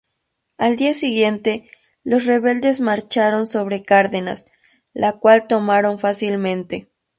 Al día siguiente, los rebeldes marcharon sobre Cárdenas, la cual tomaron fácilmente.